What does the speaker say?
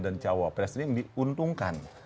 dan cawapres ini yang diuntungkan